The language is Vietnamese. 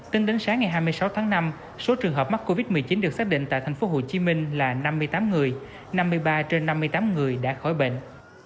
tính đến sáng ngày hai mươi sáu tháng năm số trường hợp mắc covid một mươi chín được xác định tại tp hcm là năm mươi tám người năm mươi ba trên năm mươi tám người đã khỏi bệnh